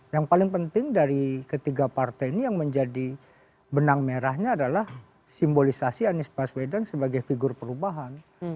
yang paling penting dari ketiga partai ini yang menjadi benang merahnya adalah simbolisasi anies baswedan sebagai figur perubahan